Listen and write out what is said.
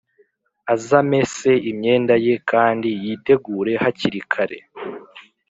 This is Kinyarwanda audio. Azamese imyenda ye kandi yitegure hakiri kare